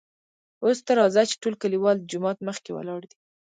اوس ته راځه چې ټول کليوال دجومات مخکې ولاړ دي .